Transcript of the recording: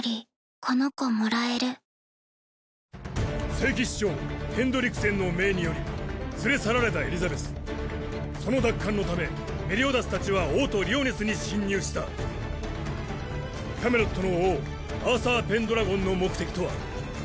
聖騎士長ヘンドリクセンの命により連れ去られたエリザベスその奪還のためメリオダスたちは王都リオネスに侵入したキャメロットの王アーサー・ペンドラゴンの目的とは？